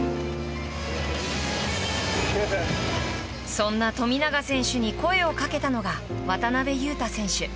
そんな富永選手に声をかけたのが渡邊雄太選手。